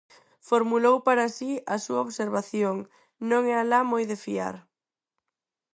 Formulou para si a súa observación: «Non é alá moi de fiar».